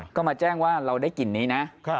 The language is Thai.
ก็มาแจ้งว่าเราได้กลิ่นนี้นะ